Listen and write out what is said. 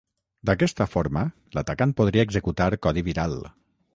D'aquesta forma l'atacant podria executar codi viral.